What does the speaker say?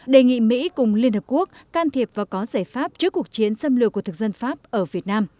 đề nghị mỹ cùng liên hợp quốc can thiệp và có giải pháp trước cuộc chiến xâm lược của thực dân pháp ở việt nam